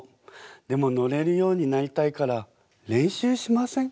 でも乗れるようになりたいから練習しません？